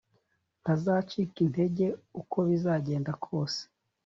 ntazacika intege uko bizagenda kose